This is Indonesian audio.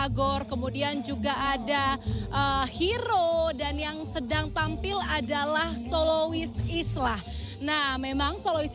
gor kemudian juga ada hero dan yang sedang tampil adalah soloist islah nah memang solois